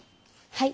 はい。